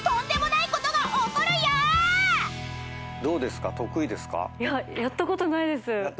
いややったことないです。